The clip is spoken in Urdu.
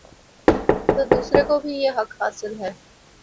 تو دوسرے کو بھی یہ حق حاصل ہے۔